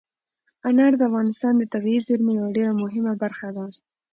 انار د افغانستان د طبیعي زیرمو یوه ډېره مهمه برخه ده.